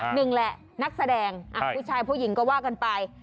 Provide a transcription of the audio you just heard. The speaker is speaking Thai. หนึ่งแหละนักแสดงผู้ชายผู้หญิงก็ว่ากันไป